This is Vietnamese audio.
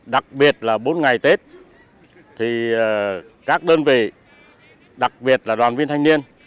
đặc biệt là bốn ngày tết thì các đơn vị đặc biệt là đoàn viên thanh niên